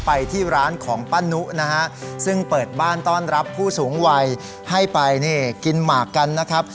ไปที่ร้านของป้านุนะฮะซึ่งเปิดบ้านต้อนรับผู้สูงวัยให้ไปนี่กินหมากกันนะครับ